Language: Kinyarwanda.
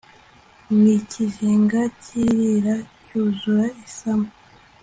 mikizinga cy'irira cyuzura isama